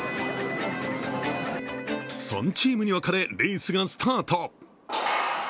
３チームに分かれ、レースがスタート。